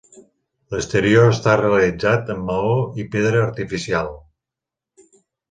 L'exterior està realitzat en maó i pedra artificial.